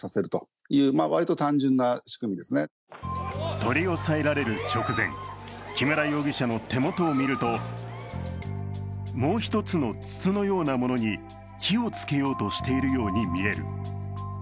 取り押さえられる直前、木村容疑者の手元を見ると、もう一つの筒のようなものに火をつけようとしているように見える。